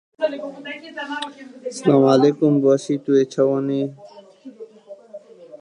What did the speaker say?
Firokeyên Rûsyayê pêgehên Daişê kirin armanc.